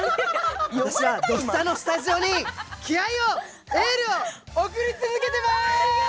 私は「土スタ」のスタジオに気合いを、エールを送り続けています！